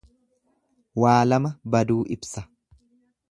Waa lama baduu ibsa.